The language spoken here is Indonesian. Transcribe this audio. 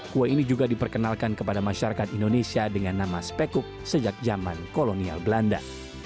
kue ini juga diperkenalkan kepada masyarakat indonesia dengan nama spekuk sejak zaman kolonial belanda